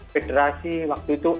federasi waktu itu